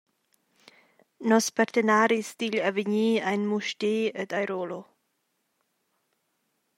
«Nos partenaris digl avegnir ein Mustér ed Airolo».